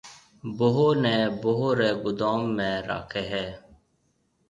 ڀوه نَي ڀوه ريَ گُدوم ۾ راکَي هيَ۔